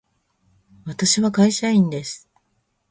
私は会社員です。